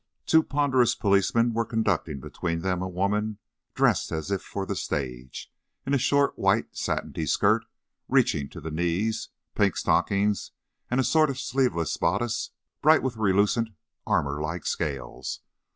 Two ponderous policemen were conducting between them a woman dressed as if for the stage, in a short, white, satiny skirt reaching to the knees, pink stockings, and a sort of sleeveless bodice bright with relucent, armour like scales.